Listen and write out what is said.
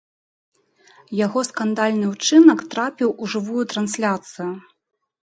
Яго скандальны ўчынак трапіў у жывую трансляцыю.